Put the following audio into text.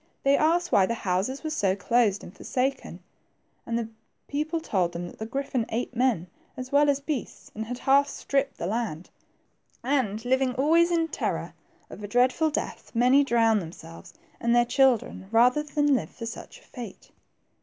They asked why the houses were so closed ^d forsaken ; and the people told them that the griffin ate men, as well as beasts, and had half stripped the land. And living always in terror of a dreadful death, many drowned them selves and their children, rather than live for such a fate.